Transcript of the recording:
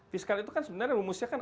fiskal itu kan sebenarnya rumusnya kan